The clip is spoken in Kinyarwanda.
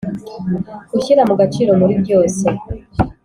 gushyira mu gaciro muri byose